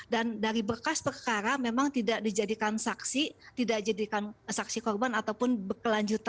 dan dari berkas perkara memang tidak dijadikan saksi tidak dijadikan saksi korban ataupun berkelanjutan dalam peristiwa